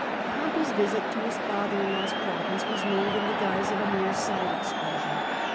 Pompey's visit to his father in law's province was made in the guise of a mere side excursion.